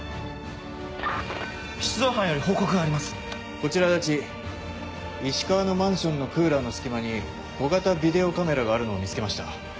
こちら足達石川のマンションのクーラーの隙間に小型ビデオカメラがあるのを見つけました。